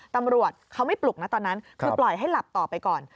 ตำรวจเขาไม่ปลุกนะตอนนั้นคือปล่อยให้หลับต่อไปก่อน